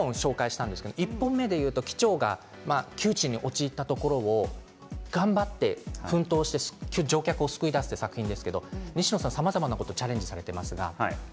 ２本紹介しましたが１個目でいうと機長が窮地に陥ったところを頑張って奮闘して乗客を救い出す作品ですが西野さんはさまざまなことにチャレンジしています。